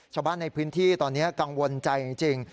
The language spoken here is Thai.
ชาวบ้านในพื้นที่ตอนนี้กังวลใจจริง